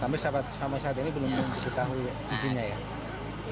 tapi sahabat sahabat ini belum tahu izinnya ya